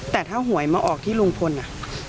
แต่ถ้าหวยมาออกที่ลุงพลน่ะ